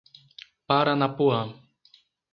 Paranapuã